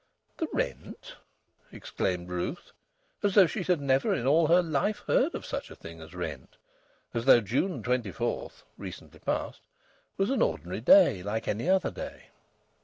"The rent?" exclaimed Ruth, as though she had never in all her life heard of such a thing as rent; as though June 24 (recently past) was an ordinary day like any other day.